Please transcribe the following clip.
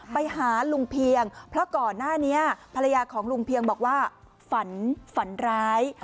ไปหาลุงเพียงเพราะก่อนหน้านี้ภรรยาของลุงเพียงบอกว่าฝันฝันร้าย